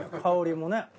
香りもね。